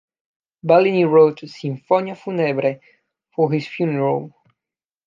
Bellini wrote a "sinfonia funebre" for his funeral.